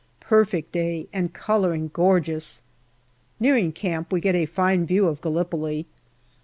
Perfect day and colouring gorgeous. Nearing camp we get a fine view of Gallipoli.